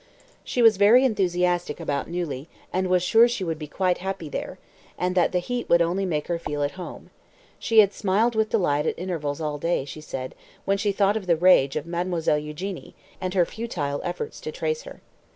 She was very enthusiastic about Neuilly, and was sure she would be quite happy there, and that the heat would only make her feel at home. She had smiled with delight at intervals all day, she said, when she thought of the rage of Mademoiselle Eugénie, and her futile efforts to trace her.